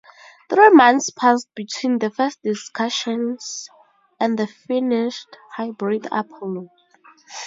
Three months passed between the first discussions and the finished hybrid Apollo.